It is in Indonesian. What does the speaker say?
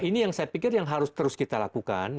jadi ini yang saya pikir harus terus kita lakukan